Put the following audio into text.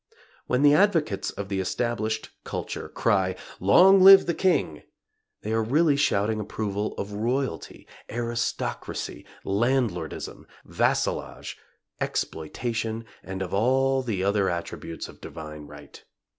When the advocates of the established culture cry "Long live the King!" they are really shouting approval of royalty, aristocracy, landlordism, vassalage, exploitation and of all the other attributes of divine right.